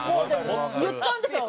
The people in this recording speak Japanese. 言っちゃうんですよ。